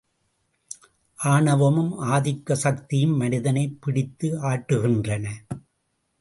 ஆணவமும், ஆதிக்க சக்தியும் மனிதனைப் பிடித்து ஆட்டுகின்றன.